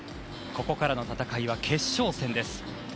ここからの戦いは決勝戦です。